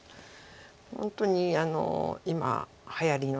本当に今はやりの。